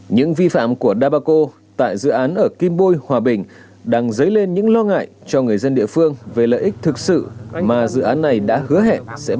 những vi phạm của dabaco tại dự án ở kim bôi hòa bình đang dấy lên những lo ngại cho người dân địa phương về lợi ích thực sự mà dự án này đã hứa hẹn sẽ mang